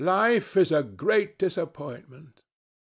"Life is a great disappointment."